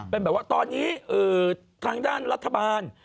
เป็นแบบว่าตอนนี้ทางด้านรัฐบาล